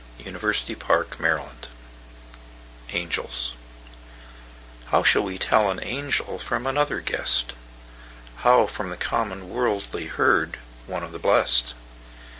By GertrudeHall 1522 Angels HOW shall we tell an angelFrom another guest? How, from the common worldly herd, One of the blest?